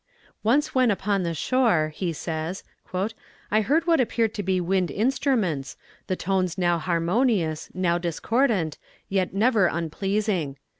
"Once when upon the shore," he says, "I heard what appeared to be wind instruments, the tones now harmonious, now discordant, yet never unpleasing.